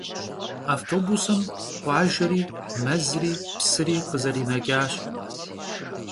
Avtobusım khuajjeri, mezri, psıri khızerineç'aş.